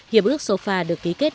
hiệp ước sofa được ký kết